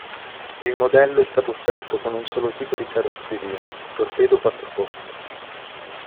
Il modello è stato offerto con un solo tipo di carrozzeria, torpedo quattro posti.